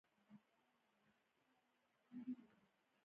غرمه د ښو فکرونو وخت دی